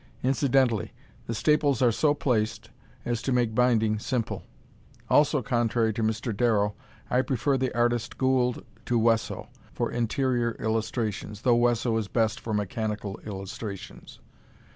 Incidentally, the staples are so placed as to make binding simple. Also contrary to Mr. Darrow, I prefer the artist Gould, to Wesso, for interior illustrations, though Wesso is best for mechanical illustrations.